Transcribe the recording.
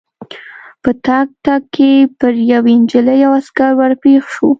په تګ تګ کې پر یوې نجلۍ او عسکر ور پېښ شوو.